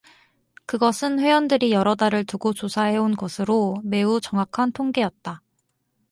그 것은 회원들이 여러 달을 두고 조사해 온 것으로 매우 정확한 통계였다.